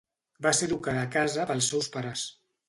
Va ser educada a casa pels seus pares.